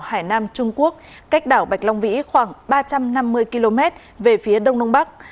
hải nam trung quốc cách đảo bạch long vĩ khoảng ba trăm năm mươi km về phía đông đông bắc